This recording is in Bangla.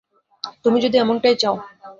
তুমি যদি এমনটাই চাও।